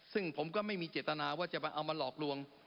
ซึ่งผมก็ไม่มีเจตนาว่าจะเอามาหลอกลวง